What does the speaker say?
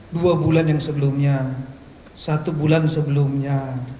dua bulan yang sebelumnya satu bulan sebelumnya